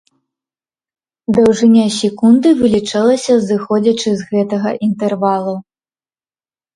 Даўжыня секунды вылічалася зыходзячы з гэтага інтэрвалу.